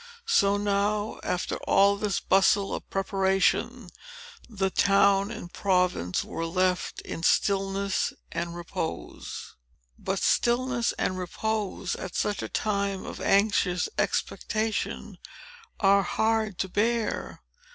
So, now, after all this bustle of preparation, the town and province were left in stillness and repose. But, stillness and repose, at such a time of anxious expectation, are hard to bear.